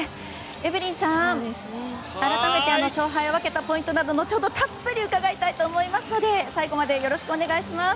エブリンさん、改めて勝敗を分けたポイントなど後ほどたっぷり伺いたいと思いますので最後までよろしくお願いします。